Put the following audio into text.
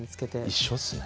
一緒っすね。